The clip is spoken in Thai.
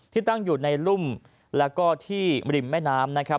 ที่ตั้งอยู่ในรุ่มและที่ริมแม่น้ำ